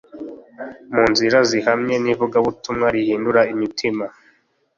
mu nzira zihabanye n'ivugabutumwa rihindura imitima